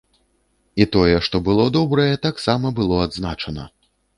І тое, што было добрае, таксама было адзначана.